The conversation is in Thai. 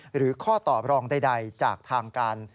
หรือข้อตอบรองใดจากทางการ